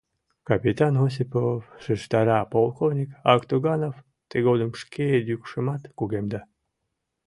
— Капитан Осипов, — шижтара полковник Актуганов, тыгодым шке йӱкшымат кугемда.